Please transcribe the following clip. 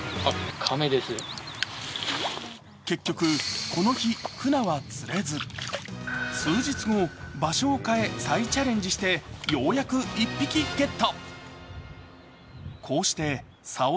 結局、この日フナは釣れず、数日後、場所を変え再チャレンジしてようやく１匹ゲット。